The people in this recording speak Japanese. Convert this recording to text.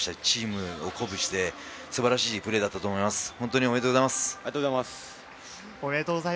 チームを鼓舞して素晴らしいプレーだったと思います。